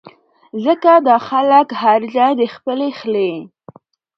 ځکه دا خلک هر ځائے د خپلې خلې